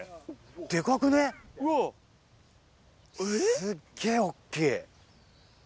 すっげぇ大っきい。